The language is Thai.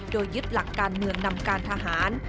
โดยยึดหลักการเมืองนำการทหาร